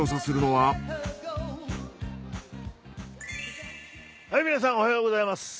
はい皆さんおはようございます。